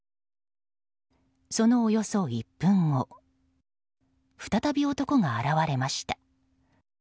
そのおよそ１分後再び男が現れました。